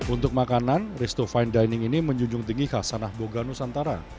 untuk makanan risto fine dining ini menjunjung tinggi khasanah boga nusantara